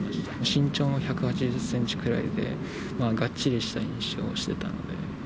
身長も１８０センチくらいで、がっちりした印象してたんで。